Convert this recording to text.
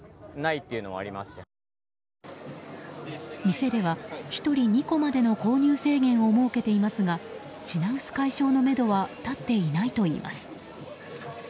店では、１人２個までの輸入制限を設けていますが品薄解消のめどは立っていないといいます。